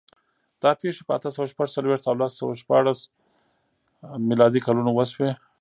دا پېښې په اته سوه شپږ څلوېښت او لس سوه شپاړس میلادي کلونو وشوې.